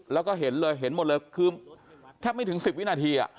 แล้วก็เห็นเลยเห็นหมดเลยคือแทบไม่ถึง๑๐วินาที